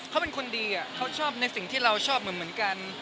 เขาเป็นคนดีเขาชอบในสิ่งที่เราชอบเหมือนกัน